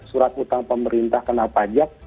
surat utang pemerintah kena pajak